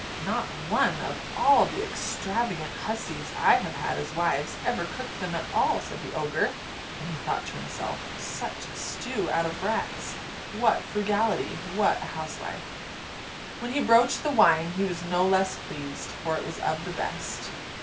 "Not one of all the extravagant hussies I have had as wives ever cooked them at all," said the Ogre; and he thought to himself, "Such a stew out of rats! What frugality! What a housewife!" When he broached the wine, he was no less pleased, for it was of the best.